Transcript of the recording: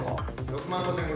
６万５，０００。